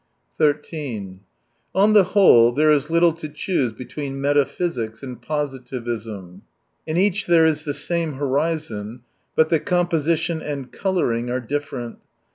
13 On the whole, there is little to choose between metaphysics and positivism. In each there is the same horizon, but the composition and colouring are different.